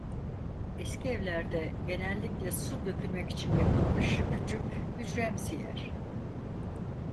Eski evlerde genellikle su dökünmek için yapılmış küçük, hücremsi yer.